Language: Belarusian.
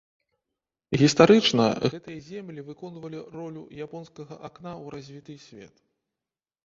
Гістарычна гэтыя землі выконвалі ролю японскага акна ў развіты свет.